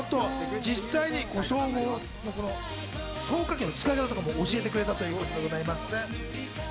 これ消防訓練なのでね、実際に消火器の使い方とかも教えてくれたということでございます。